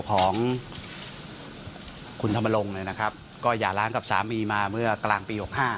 ของคุณธรรมรงค์ก็อย่าล้างกับสามีมาเมื่อกลางปี๖๕